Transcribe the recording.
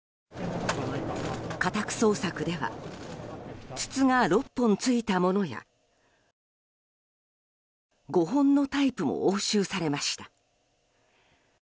家宅捜索では筒が６本ついたものや５本のタイプも押収されました。